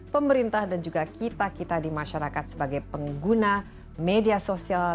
pemerintah dan juga kita kita di masyarakat sebagai pengguna media sosial